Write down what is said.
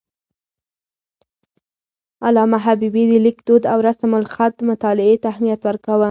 علامه حبيبي د لیک دود او رسم الخط مطالعې ته اهمیت ورکاوه.